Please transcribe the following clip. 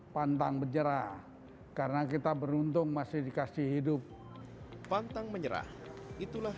pantang menyerah itulah sumber daya yang kita lakukan